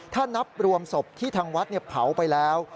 ถ้านับรวมศพที่ทางวัดเผาไปแล้ว